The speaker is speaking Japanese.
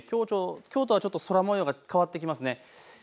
きょうとはちょっと空もようが変わってきます。